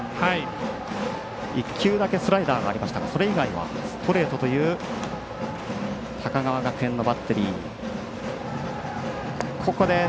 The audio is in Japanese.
１球だけスライダーありましたがそれ以外はストレートという高川学園のバッテリー。